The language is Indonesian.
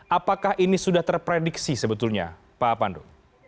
apakah ini sudah terprediksi sebetulnya pak pandu